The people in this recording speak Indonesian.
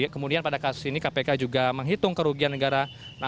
kemudian pada kasus ini kpk juga menghitung kerugian negara